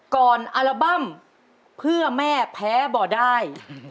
อัลบั้มเพื่อแม่แพ้บ่อได้